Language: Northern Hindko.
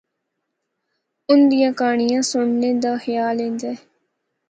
ان دیاں کہانڑیاں سنڑنا دا خیال ایندا ہے۔